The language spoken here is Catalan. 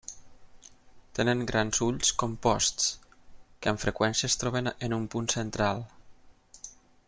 Tenen grans ulls composts, que amb freqüència es troben en un punt central.